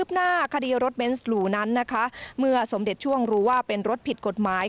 หน้าคดีรถเบนส์หลู่นั้นนะคะเมื่อสมเด็จช่วงรู้ว่าเป็นรถผิดกฎหมาย